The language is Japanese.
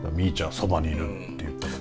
そばにいるって言ったからね。